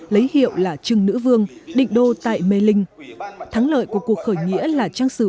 lấy hiệu là trưng nữ vương định đô tại mê linh thắng lợi của cuộc khởi nghĩa là trang sử